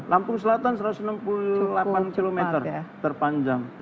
lampung selatan satu ratus enam puluh delapan km terpanjang